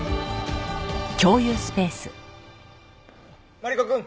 マリコくん。